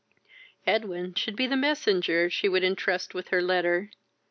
Edwin should be the messenger she would entrust with her letter.